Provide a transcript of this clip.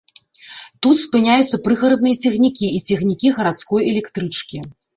Тут спыняюцца прыгарадныя цягнікі і цягнікі гарадской электрычкі.